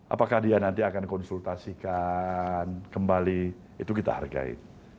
apakah dia nanti akan konsultasikan kembali itu kita hargai